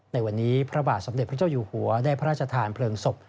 ในวันนี้พระบาทสมเด็จพระเจ้าอยู่หัวได้พระราชทานเพลิงศพ